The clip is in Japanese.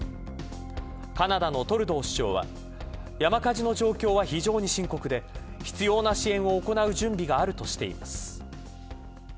カナダのトルドー首相は山火事の状況は非常に深刻で必要な支援を行う準備があるとしています。